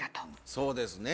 そうですね。